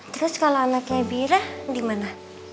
terus kalo anaknya bira dimana